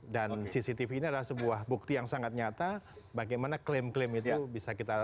dan cctv ini adalah sebuah bukti yang sangat nyata bagaimana klaim klaim itu bisa kita